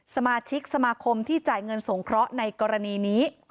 สมาชิกสมาคมที่จ่ายเงินสงเคราะห์ในกรณีนี้